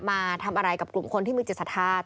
มาทำอะไรกับกลุ่มคนที่มีเจ็ดศัตริย์ภาคม